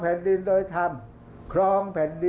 ภาคอีสานแห้งแรง